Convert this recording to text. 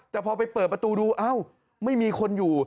แต่พอไปเปิดประตูดูเอ้าไม่มีคนอยู่